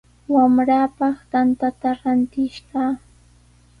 Wamraapaq tantata rantishqaa.